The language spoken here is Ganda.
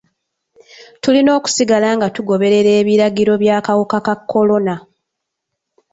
Tulina okusigala nga tugoberera ebiragiro by'akawuka ka kolona.